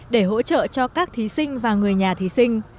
để hỗ trợ cho các thí sinh và người nhà thí sinh